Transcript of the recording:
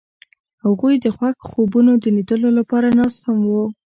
هغوی د خوښ خوبونو د لیدلو لپاره ناست هم وو.